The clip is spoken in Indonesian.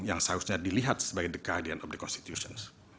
yang seharusnya dilihat sebagai the guardian of the constitutions